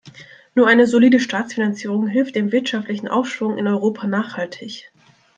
Nur eine solide Staatsfinanzierung hilft dem wirtschaftlichen Aufschwung in Europa nachhaltig.